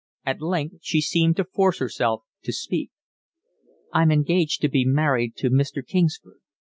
At length she seemed to force herself to speak. "I'm engaged to be married to Mr. Kingsford."